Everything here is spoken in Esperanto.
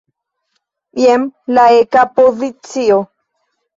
Jen la eka pozicio.